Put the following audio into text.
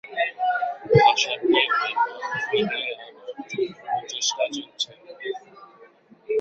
ভাষাটি আবার ফিরিয়ে আনার জোর প্রচেষ্টা চলছে।